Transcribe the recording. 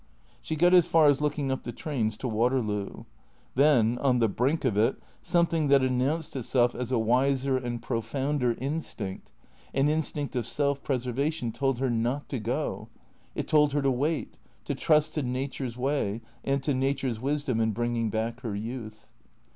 She got as far as looking up the trains to "Waterloo. Then, on the brink of it, something that announced itself THECEEATOES 459 as a wiser and profounder instinct, an instinct of self preserva tion, told her not to go. It told her to wait, to trust to Nature's way, and to Nature's wisdom in bringing back her youth.